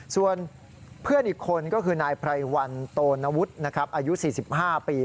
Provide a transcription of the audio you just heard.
ส่วนเพื่อนอีกคนก็คือนายไพรวันโตนวุฒิอายุ๔๕ปี